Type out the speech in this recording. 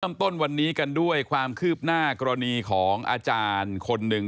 นำต้นกันด้วยความคืบหน้ากรณีของอาจารย์คนหนึ่ง